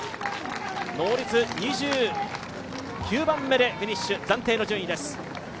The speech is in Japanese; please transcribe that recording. ノーリツ、２９番目でフィニッシュ、暫定の順位です。